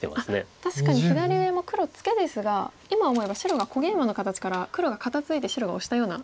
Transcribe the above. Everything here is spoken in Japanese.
確かに左上も黒ツケですが今思えば白が小ゲイマの形から黒が肩ツイて白がオシたような。